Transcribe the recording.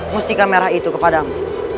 mustika merah itu kepadamu